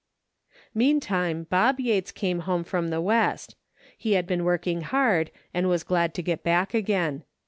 Meantime Bob Yates came home from the West. He had been working hard and was glad to get back again.